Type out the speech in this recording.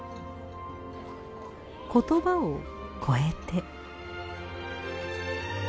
言葉を超えて。